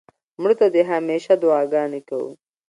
مړه ته د همېشه دعا ګانې کوو